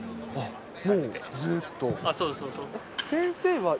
もう、ずっと？